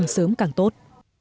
sớm càng tốt